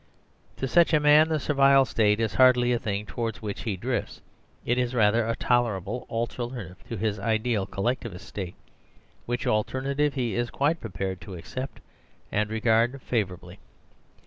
To such a man the Servile State is hardly a thing towards which he drifts, it is rather a tolerable alter native to his ideal Collectivist State, which alternative he is quite prepared to accept and regards favourab ly.